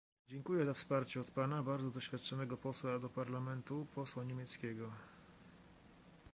Dziękuję za wsparcie od pana - bardzo doświadczonego posła do Parlamentu, posła niemieckiego